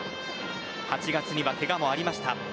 ８月にはけがもありました。